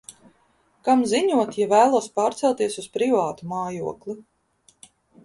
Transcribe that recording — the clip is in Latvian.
Kam ziņot, ja vēlos pārcelties uz privātu mājokli?